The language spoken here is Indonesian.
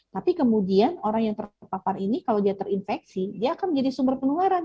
tapi kemudian orang yang terpapar ini kalau dia terinfeksi dia akan menjadi sumber penularan